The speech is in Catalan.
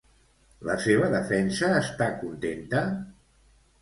La seva defensa està contenta?